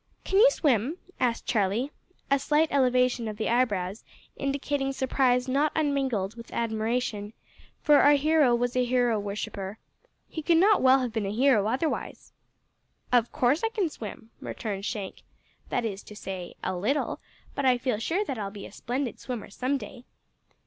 "Can you swim?" asked Charlie, a slight elevation of the eyebrows indicating surprise not unmingled with admiration for our hero was a hero worshipper. He could not well have been a hero otherwise! "Of course I can swim," returned Shank; "that is to say, a little; but I feel sure that I'll be a splendid swimmer some day."